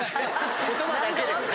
言葉だけでもね。